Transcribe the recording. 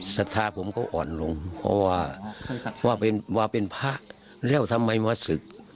ศรัทธาผมก็อ่อนลงเพราะว่าว่าเป็นพระแล้วทำไมมาศึก